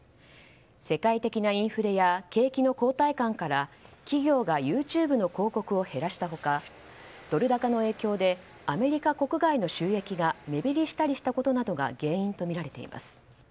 世界的なインフレや景気の後退感から企業がＹｏｕＴｕｂｅの広告を減らしたほかドル高の影響でアメリカ国外の収益が目減りしたりしたことなどが原因とみられています。